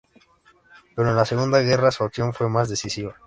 Pero en la Segunda Guerra, su acción fue más decisiva.